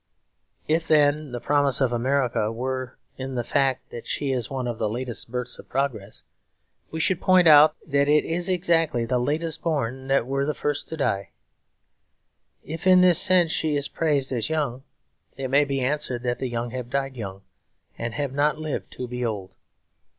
If then the promise of America were in the fact that she is one of the latest births of progress, we should point out that it is exactly the latest born that were the first to die. If in this sense she is praised as young, it may be answered that the young have died young, and have not lived to be old.